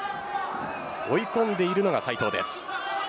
追い込んでいるのが斉藤です。